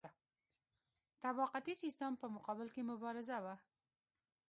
طبقاتي سیستم په مقابل کې مبارزه وه.